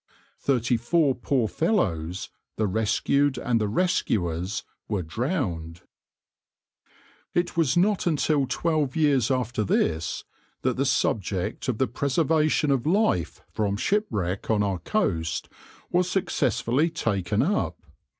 Thirty four poor fellows the rescued and the rescuers were drowned.\par It was not until twelve years after this that the subject of the preservation of life from shipwreck on our coast was successfully taken up.